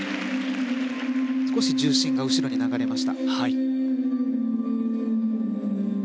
少し重心が後ろに流れました。